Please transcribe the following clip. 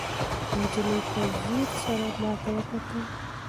نجلۍ په ځیر سره ماته وکتل.